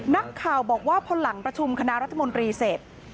นักข่าวบอกว่าพอหลังประชุมคณะรัฐมนตรีเสร็จ